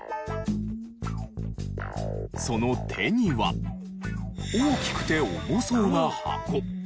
その手には大きくて重そうな箱。